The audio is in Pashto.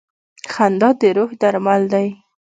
• خندا د روح درمل دی.